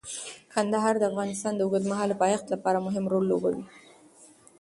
کندهار د افغانستان د اوږدمهاله پایښت لپاره مهم رول لوبوي.